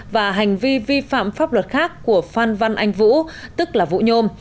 và hành vi vi phạm pháp luật khác của phan văn anh vũ tức là vũ nhôm